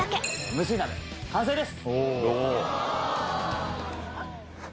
無水鍋完成です！